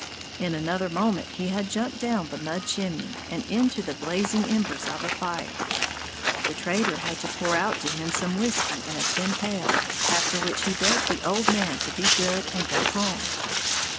In another moment he had jumped down the mud chimney, and into the blazing embers of a fire. The trader had to pour out to him some whisky in a tin pail, after which he begged the old man to "be good and go home."